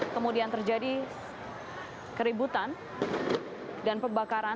kemudian terjadi keributan dan pembakaran